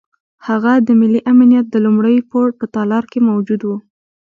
هغه د ملي امنیت د لومړي پوړ په تالار کې موجود وو.